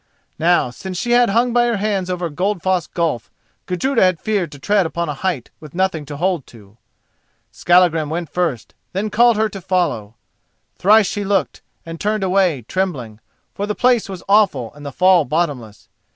Now since she had hung by her hands over Goldfoss gulf, Gudruda had feared to tread upon a height with nothing to hold to. Skallagrim went first, then called to her to follow. Thrice she looked, and turned away, trembling, for the place was awful and the fall bottomless.